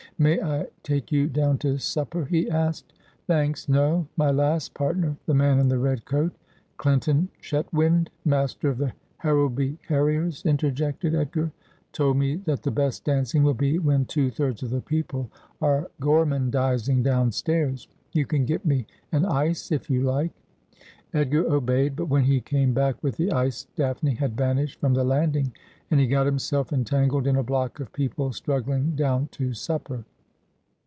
' May I take you down to supper ?' he asked. ' Thanks ; no. My last partner — the man in the red coat ' 'Clinton Chetwynd, master of the Harrowby Harriers?' interjected Edgar. ' Told me that the best dancing will be when two thirds of the people are gormandising downstairs. You can get me an ice, if you like.' Edgar obeyed ; but when he came back with the ice Daphne had vanished from the landing, and he got himself entangled in a block of people struggling down to supper.